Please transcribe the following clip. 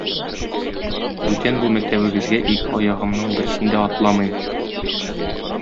Бүтән бу мәктәбегезгә ике аягымның берсен дә атламыйм!